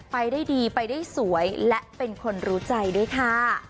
ไปได้ดีไปได้สวยและเป็นคนรู้ใจด้วยค่ะ